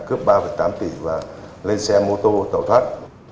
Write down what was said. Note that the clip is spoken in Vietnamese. cướp ba tám tỷ và lên xe mô tô tẩu thoát